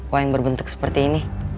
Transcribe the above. waing berbentuk seperti ini